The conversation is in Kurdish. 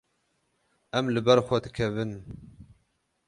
Em li ber xwe dikevin.